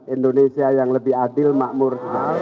indonesia yang lebih adil makmur